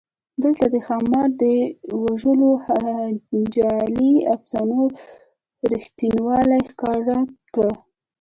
دلته د ښامار د وژلو جعلي افسانو رښتینوالی ښکاره کړی.